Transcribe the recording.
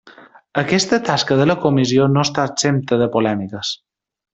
Aquesta tasca de la comissió no està exempta de polèmiques.